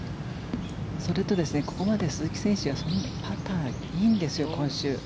それとここまで鈴木選手はパターがいいんですよ、今週。